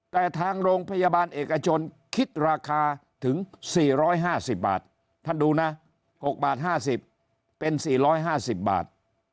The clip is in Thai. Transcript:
แต่ทางโรงพยาบาลเอกชนคิดราคาถึง๔๕๐บาทท่านดูนะ๖บาท๕๐เป็น๔๕๐บาท